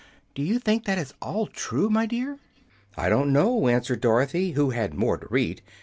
"Do you think that is all true, my dear?" "I don't know," answered Dorothy, who had more to read.